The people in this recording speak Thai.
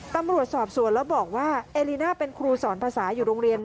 ตำรวจสอบสวนแล้วบอกว่าเอลิน่าเป็นครูสอนภาษาอยู่โรงเรียน